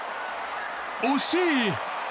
惜しい！